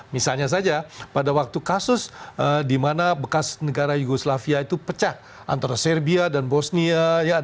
misalnya saja pada waktu kasus di mana bekas negara yugoslavia itu pecah antara serbia dan bosnia